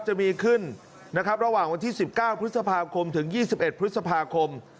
จะมีขึ้นนะครับระหว่างวันที่๑๙พฤษภาคมถึง๒๑พฤษภาคม